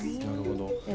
なるほど。